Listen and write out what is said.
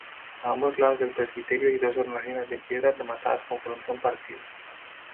A ambos lados del presbiterio hay dos hornacinas de piedra rematadas con frontón partido.